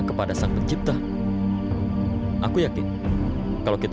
bersand zhi long hai